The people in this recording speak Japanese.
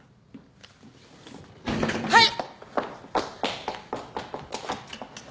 はい！